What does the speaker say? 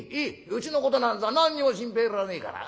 うちのことなんざ何にも心配いらねえから。